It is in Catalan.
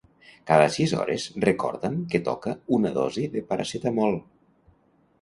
Cada sis hores recorda'm que toca una dosi de paracetamol.